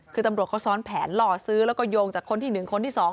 คือตำรวจเขาซ้อนแผนหล่อซื้อแล้วก็โยงจากคนที่๑คนที่๒